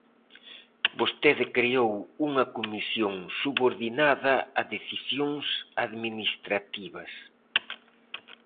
Vostede creou unha comisión subordinada a decisións administrativas.